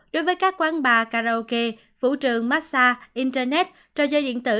đối với các quán bà karaoke phủ trường massage internet trò chơi điện tử